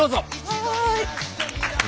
はい。